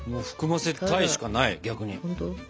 含ませたいしかない逆に。